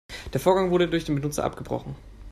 Der Vorgang wurde durch den Benutzer abgebrochen.